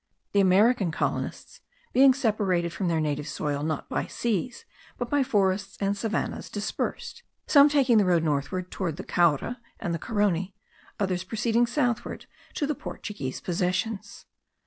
The American colonists, being separated from their native soil, not by seas, but by forests and savannahs, dispersed; some taking the road northward, towards the Caura and the Carony; others proceeding southward to the Portuguese possessions.